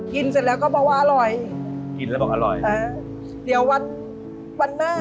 เสร็จแล้วก็บอกว่าอร่อยกินแล้วบอกอร่อยอ่าเดี๋ยววันวันหน้า